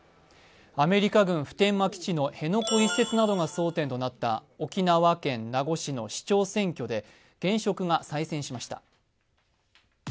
アメリカ軍、普天間基地の辺野古移設などが争点となった沖縄県名護市の市長選挙で現職が再選しました。